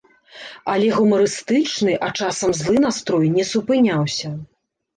Але гумарыстычны, а часам злы настрой не супыняўся.